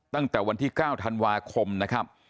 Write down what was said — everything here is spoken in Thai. ตั้งแต่วันที่๙ธันวาคมนะครับ